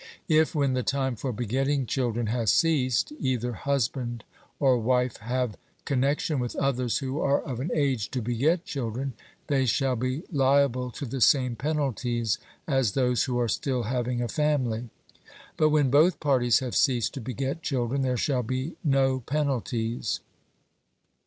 If when the time for begetting children has ceased, either husband or wife have connexion with others who are of an age to beget children, they shall be liable to the same penalties as those who are still having a family. But when both parties have ceased to beget children there shall be no penalties.